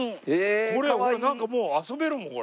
これなんかもう遊べるもんこれ。